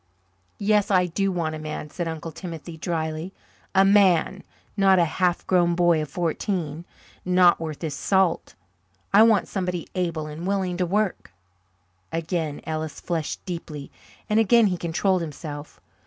"Yes, I do want a man," said Uncle Timothy drily. "A man not a half grown boy of fourteen, not worth his salt. I want somebody able and willing to work." Again Ellis flushed deeply and again he controlled himself.